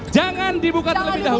jangan dibuka lebih dahulu